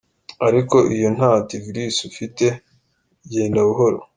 Ariko iyo nta antivirus ufite igenda buhoro, .